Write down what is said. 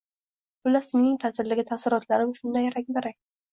Xullas, mening ta’tildagi taassurotlarim shunday rang-barang